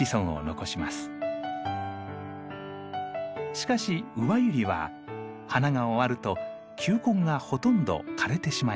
しかしウバユリは花が終わると球根がほとんど枯れてしまいます。